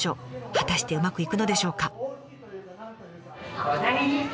果たしてうまくいくのでしょうか？